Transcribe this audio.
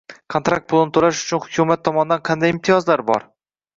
Kontrakt pulini to‘lash uchun hukumat tomonidan qanday imtiyozlar bor?